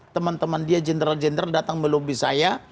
teman teman dia general general datang melobi saya